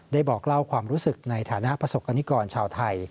บอกเล่าความรู้สึกในฐานะประสบกรณิกรชาวไทย